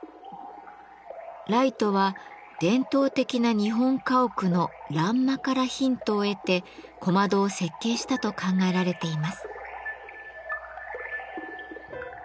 ライトは伝統的な日本家屋の「欄間」からヒントを得て小窓を設計したと考えられています。